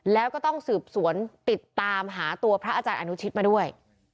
แล้วก็ต้องสืบสวนติดตามหาตัวพระอาจารย์อนุชิตมาด้วย